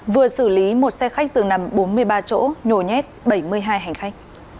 vừa xử lý một xe khách dừng nằm bốn mươi ba chỗ nhổ nhét bảy mươi hai hành khách